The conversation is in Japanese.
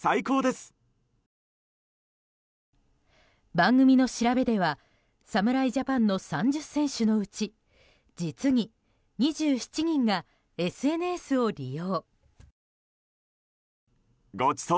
番組の調べでは侍ジャパンの３０選手のうち実に２７人がＳＮＳを利用。